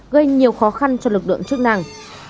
gây nhiều khó khăn cho lực lượng chức năng